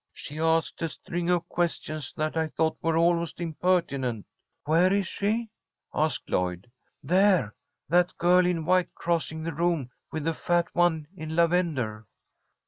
She asked a string of questions that I thought were almost impertinent." "Where is she?" asked Lloyd. "There, that girl in white crossing the room with the fat one in lavender."